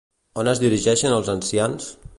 On es dirigeixen els ancians?